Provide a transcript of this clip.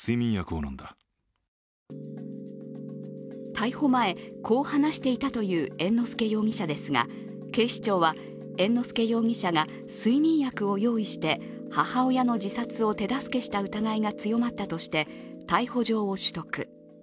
逮捕前、こう話していたという猿之助容疑者ですが警視庁は猿之助容疑者が睡眠薬を用意して母親の自殺を手助けした疑いが強まったとして、逮捕状を取得。